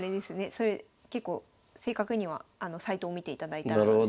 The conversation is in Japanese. それ結構正確にはサイトを見ていただいたら。